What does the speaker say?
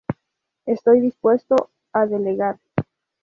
Estoy dispuesto a delegar.